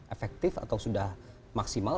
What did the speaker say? efektif atau sudah maksimal